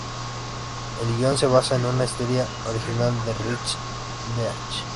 El guion se basa en una historia original de Rex Beach.